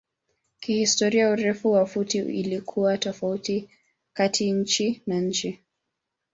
Kihistoria urefu wa futi ilikuwa tofauti kati nchi na nchi.